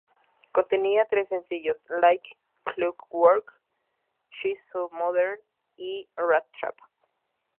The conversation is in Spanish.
Contenía tres sencillos, "Like Clockwork", "She's So Modern" y "Rat Trap".